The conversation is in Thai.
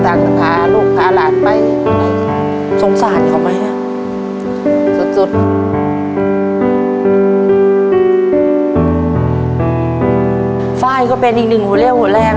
ทับผลไม้เยอะเห็นยายบ่นบอกว่าเป็นยังไงครับ